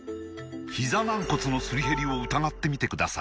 ひざ軟骨のすり減りを疑ってみてください